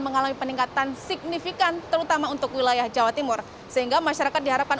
mengalami peningkatan signifikan terutama untuk wilayah jawa timur sehingga masyarakat diharapkan